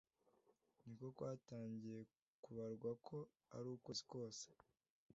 ni ko kwatangiye kubarwa ko ari ukwezi kose